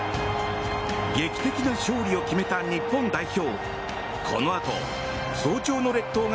劇的な勝利を決めた日本代表。